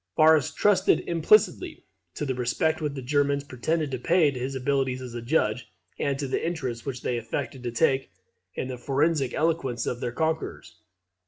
Varus trusted implicitly to the respect which the Germans pretended to pay to his abilities as a judge, and to the interest which they affected to take in the forensic eloquence of their conquerors.